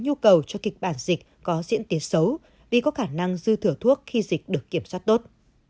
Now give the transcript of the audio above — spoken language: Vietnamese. nhu cầu cho kịch bản dịch có diễn tiến xấu vì có khả năng dư thửa thuốc khi dịch được kiểm soát tốt